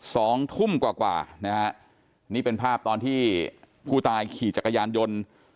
สองทุ่มกว่ากว่านะฮะนี่เป็นภาพตอนที่ผู้ตายขี่จักรยานยนต์